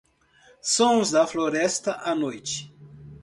Sons da floresta à noite